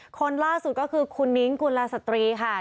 คนล่าสุดก็คือคุณนิ้งกุลสตรีค่ะ